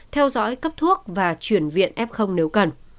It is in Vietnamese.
theo dõi cấp thuốc và chuyển viện f nếu cần